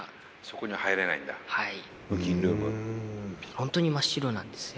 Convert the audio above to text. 本当に真っ白なんですよ。